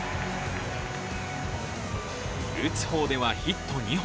打つ方ではヒット２本。